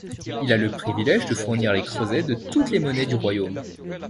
Il a le privilège de fournir les creusets de toutes les monnaies du royaume.